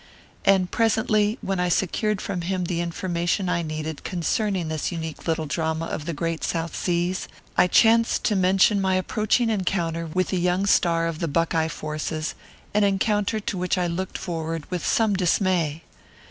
And presently, when I had secured from him the information I needed concerning this unique little drama of the great South Seas, I chanced to mention my approaching encounter with the young star of the Buckeye forces, an encounter to which I looked forward with some dismay.